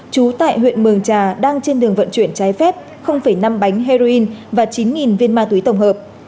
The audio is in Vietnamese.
trú tại huyện mường trà đang trên đường vận chuyển trái phép năm bánh heroin và chín viên ma túy tổng hợp